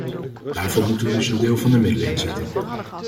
Daarvoor moeten we dus een deel van de middelen inzetten.